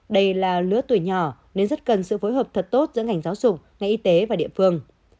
đây là lứa tuổi nhỏ nên rất cần sự phối hợp thật tốt giữa ngành giáo dục ngành y tế và địa phương